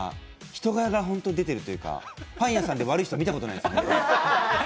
人柄が本当に出てるというかパン屋さんで悪い人、みたことない。